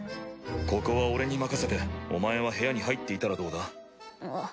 ここは俺に任せてお前は部屋に入っていたらどうだ？